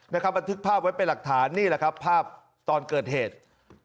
บันทึกภาพไว้เป็นหลักฐานนี่แหละครับภาพตอนเกิดเหตุ